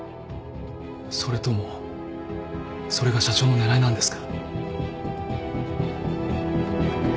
それともそれが社長の狙いなんですか？